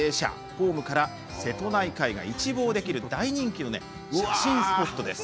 ホームから瀬戸内海が一望できる大人気の写真スポットです。